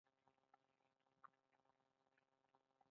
انار د افغانستان د ښاري پراختیا سبب کېږي.